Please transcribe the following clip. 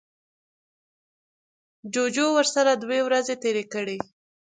جوجو ورسره دوه ورځې تیرې کړې.